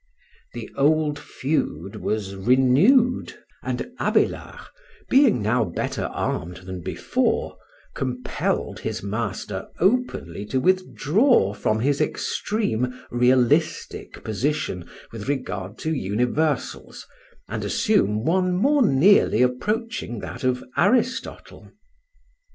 The old feud was renewed, and Abélard, being now better armed than before, compelled his master openly to withdraw from his extreme realistic position with regard to universals, and assume one more nearly approaching that of Aristotle.